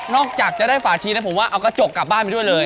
จากจะได้ฝาชีนะผมว่าเอากระจกกลับบ้านไปด้วยเลย